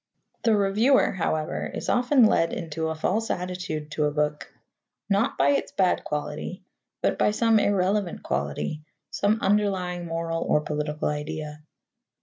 The reviewer, however, is often led into a false attitude to a book, not by its bad quality, but by some irrelevant quality some underlying moral or political idea.